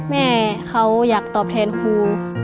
แม่เขาอยากตอบแทนครู